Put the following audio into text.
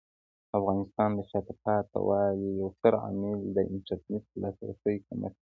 د افغانستان د شاته پاتې والي یو ستر عامل د انټرنیټ لاسرسي کمښت دی.